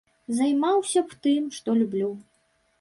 Займаўся б тым, што люблю.